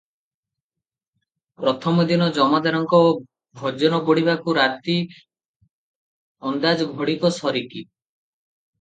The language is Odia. ପ୍ରଥମ ଦିନ ଜମାଦାରଙ୍କ ଭୋଜନ ବଢ଼ିବାକୁ ରାତି ଅନ୍ଦାଜ ଘଡିକ ସରିକି ।